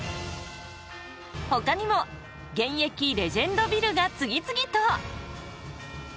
ほかにも現役レジェンドビルが次々と！